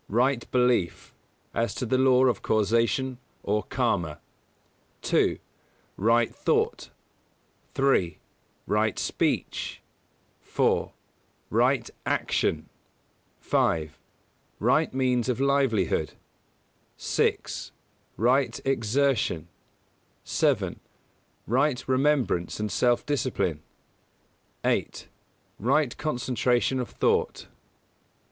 Right Belief (as to the law of Causation, or Karma); 2. Right Thought; 3. Right Speech; 4. Right Action; 5. Right Means of Livelihood; 6. Right Exertion; 7. Right Remembrance and Self discipline; 8. Right Concentration of Thought.